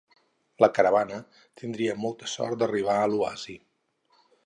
La caravana tindria molta sort d'arribar a l'oasi.